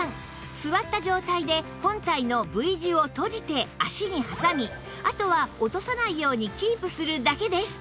座った状態で本体の Ｖ 字を閉じて脚に挟みあとは落とさないようにキープするだけです